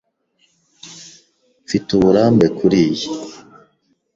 Mfite uburambe kuriyi.